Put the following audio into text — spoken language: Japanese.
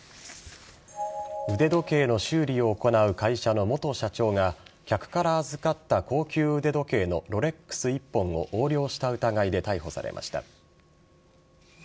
腕時計の修理を行う会社の元社長が客から預かった高級腕時計のロレックス１本を横領した疑いで逮捕されました。